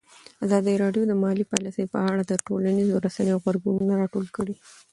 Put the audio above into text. ازادي راډیو د مالي پالیسي په اړه د ټولنیزو رسنیو غبرګونونه راټول کړي.